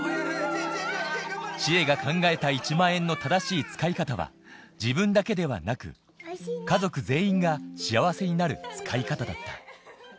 知恵が考えた１万円の正しい使い方は自分だけではなく家族全員が幸せになる使い方だった